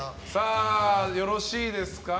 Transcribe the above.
よろしいですか？